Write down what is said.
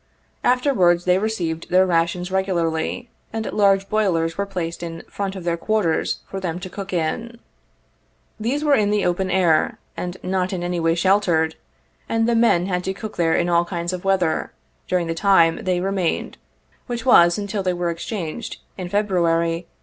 Afterwards they received their rations regularly, and large boilers were placed in front of their quarters for them to cook in. These were in the open air, and not in any way sheltered, and the men had to cook there in all kinds of weather, during the time they remained, which was until they were exchanged in February, 1862.